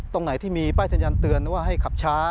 ตรงไหนที่มีป้ายสัญญาณเตือนว่าให้ขับช้า